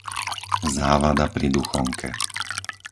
Závada pri Duchonke